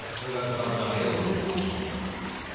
そしてお水も切ってありますからね。